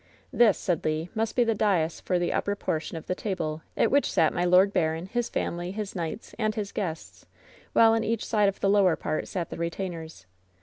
"This," said Le, "must be the dais for the upper por tion of the table, at which sat my lord baron, his family, his kni^ts, and his guests, while on each side of the lower part sat the retainers.